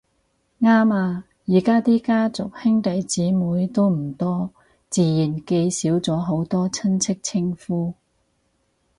啱呀，而家啲家庭兄弟姊妹都唔多，自然記少咗好多親戚稱呼